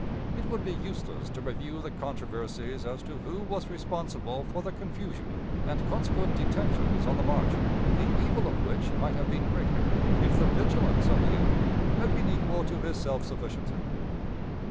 It would be useless to review the controversies as to who was responsible for the confusion and consequent detentions on the march, the evil of which might have been greater if the vigilance of the enemy had been equal to his self sufficiency.